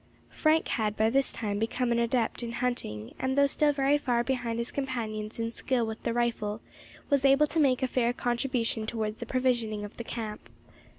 Frank had by this time become an adept in hunting, and though still very far behind his companions in skill with the rifle, was able to make a fair contribution towards the provisioning of the camp.